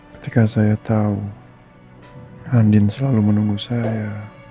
ketika saya tahu andin selalu menunggu saya